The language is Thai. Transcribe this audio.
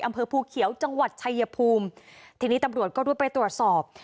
อำเภอภูเขียวจังหวัดชายภูมิทีนี้ตำรวจก็รวดไปตรวจสอบ